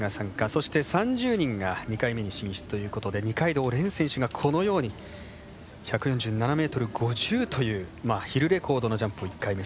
そして３０人が２回目に進出ということで二階堂蓮選手が、このように１４７ｍ５０というヒルレコードのジャンプを１回目。